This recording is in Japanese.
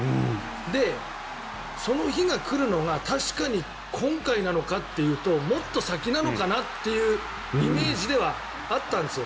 で、その日が来るのが確かに今回なのかっていうともっと先なのかなっていうイメージではあったんですよ。